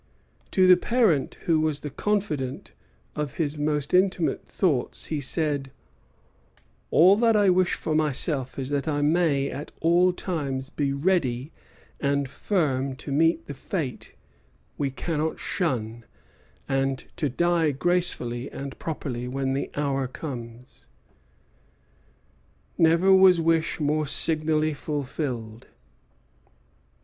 To the parent who was the confidant of his most intimate thoughts he said: "All that I wish for myself is that I may at all times be ready and firm to meet that fate we cannot shun, and to die gracefully and properly when the hour comes." Never was wish more signally fulfilled.